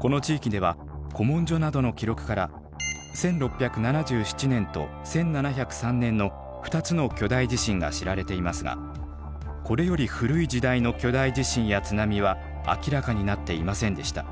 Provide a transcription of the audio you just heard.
この地域では古文書などの記録から１６７７年と１７０３年の２つの巨大地震が知られていますがこれより古い時代の巨大地震や津波は明らかになっていませんでした。